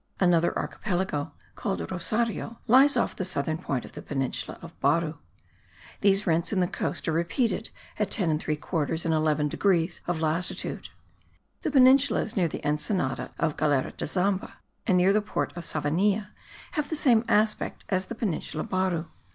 Another archipelago, called Rosario, lies off the southern point of the peninsula of Baru. These rents in the coast are repeated at the 10 3/4 and 11 degrees of latitude. The peninsulas near the Ensenada of Galera de Zamba and near the port of Savanilla have the same aspect as the peninsula Baru.